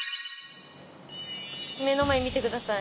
目の前見てください。